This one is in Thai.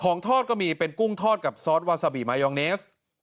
ทอดก็มีเป็นกุ้งทอดกับซอสวาซาบิมายองเนส